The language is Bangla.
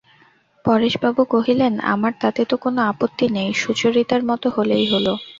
পরেশবাবু কহিলেন, আমার তাতে তো কোনো আপত্তি নেই, সুচরিতার মত হলেই হল।